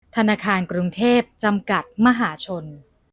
ธนาคารกรุงเทพจำกัดมหาชน